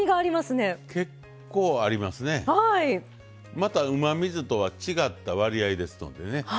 またうまみ酢とは違った割合ですのでね